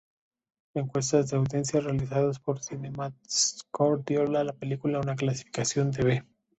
Encuestas de audiencia realizados por CinemaScore dio a la película una calificación de 'B'.